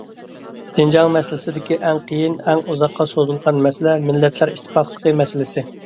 شىنجاڭ مەسىلىسىدىكى ئەڭ قىيىن، ئەڭ ئۇزاققا سوزۇلغان مەسىلە مىللەتلەر ئىتتىپاقلىقى مەسىلىسى.